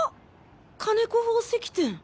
金子宝石店。